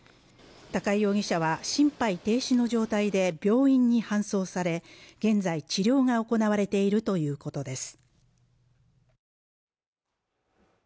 高井容疑者は心肺停止の状態で病院に搬送され現在治療が行われているということです